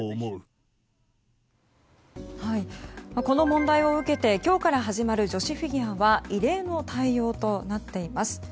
この問題を受けて今日から始まる女子フィギュアは異例の対応となっています。